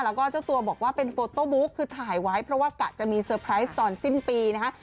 แล้วก็เจ้าตัวบอกว่าเป็นคือถ่ายไว้เพราะว่ากะจะมีตอนสิ้นปีนะฮะ